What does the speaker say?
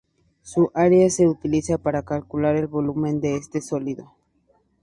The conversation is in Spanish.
Su área se utiliza para calcular el volumen de este sólido.